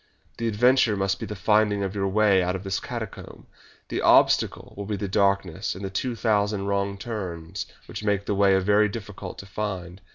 The adventure must be the finding of your way out of this catacomb. The obstacle will be the darkness and the two thousand wrong turns which make the way a little difficult to find.